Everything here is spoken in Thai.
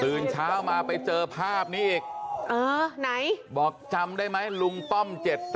คืนเช้ามาไปเจอภาพนี้อีกบอกจำได้ไหมลุงป้อม๗๐๐